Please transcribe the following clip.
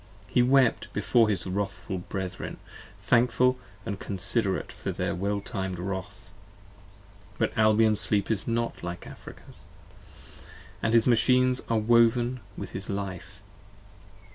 He wept before his wrathful brethren, thankful & considerate For their well timed wrath. But Albion's sleep is not 25 Like Africa's: and his machines are woven with his life.